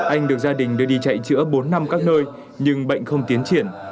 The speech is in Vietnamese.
anh được gia đình đưa đi chạy chữa bốn năm các nơi nhưng bệnh không tiến triển